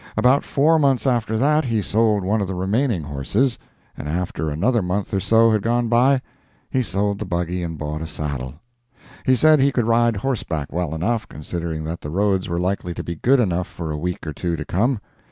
About four months after that, he sold one of the remaining horses; and after another month or so had gone by, he sold the buggy and bought a saddle. He said he could ride horseback well enough, considering that the roads were likely to be good enough for a week or two to come.